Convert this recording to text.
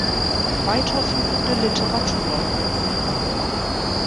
Weiterführende Literatur